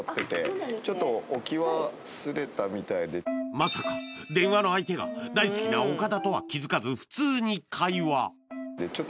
まさか電話の相手が大好きな岡田とは気づかず普通に会話ううん